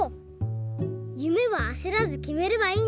ゆめはあせらずきめればいいんだね。